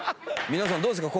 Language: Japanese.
皆さんどうですか？